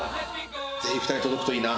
ぜひ２人に届くといいな。